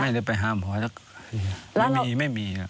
ไม่ได้ไปหาหมอไม่มีไม่มี